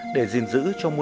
để gìn giữ cho mọi người